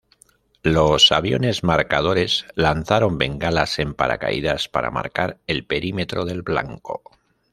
Los aviones marcadores lanzaron bengalas en paracaídas para marcar el perímetro del blanco.